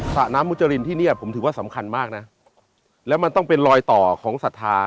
ระน้ำมุจรินที่เนี่ยผมถือว่าสำคัญมากนะแล้วมันต้องเป็นรอยต่อของศรัทธา